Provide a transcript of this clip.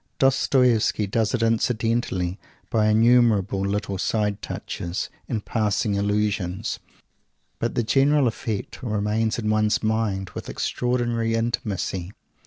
Dostoievsky does it incidentally, by innumerable little side touches and passing allusions, but the general effect remains in one's mind with extraordinary intimacy.